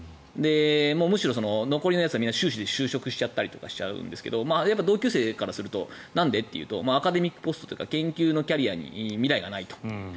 むしろ残りのやつは就職したりするんですが同級生からするとなんでというとアカデミックポストというか研究のキャリアに未来がないと。